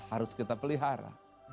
yang harus kita pelihara